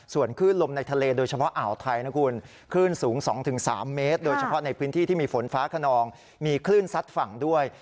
ส่วนคลื่นลมในทะเลโดยเฉพาะอ่าวไทยนะคุณคลื่นสูง๒๓เมตรโดยเฉพาะในพื้นที่ที่มีฝนฟ้าขนองมีคลื่นซัดฝั่งด้วย